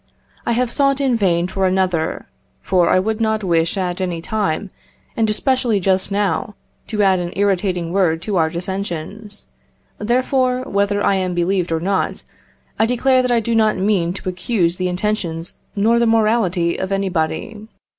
I have sought in vain for another, for I would not wish at any time, and especially just now, to add an irritating word to our dissensions; therefore, whether I am believed or not, I declare that I do not mean to accuse the intentions nor the morality of anybody.